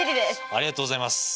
ありがとうございます。